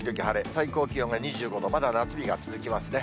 最高気温が２５度、まだ夏日が続きますね。